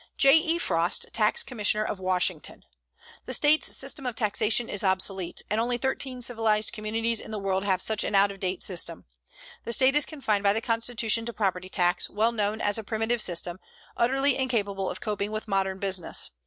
J. E. FROST, Tax Commissioner of Washington: The State's system of taxation is obsolete, and only 13 civilized communities in the world have such an out of date system. The State is confined by the constitution to property tax, well known as a primitive system, utterly incapable of coping with modern business.